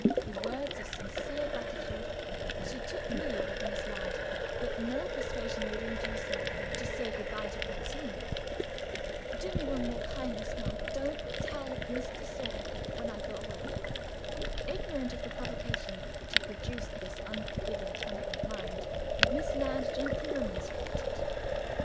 With words of sincere gratitude she took leave of Miss Ladd; but no persuasion would induce her to say good by to Francine. "Do me one more kindness, ma'am; don't tell Miss de Sor when I go away." Ignorant of the provocation which had produced this unforgiving temper of mind, Miss Ladd gently remonstrated.